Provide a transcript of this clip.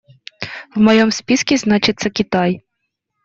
В моем списке значится Китай.